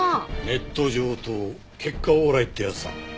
ネット上等結果オーライってやつだ。